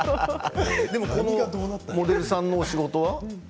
でもこのモデルさんのお仕事は？